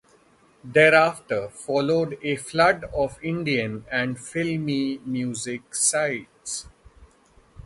Thereafter followed a flood of Indian and Filmi Music sites.